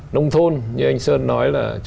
nông thôn như anh sơn nói là